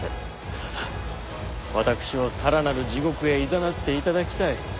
ささ私をさらなる地獄へいざなっていただきたい。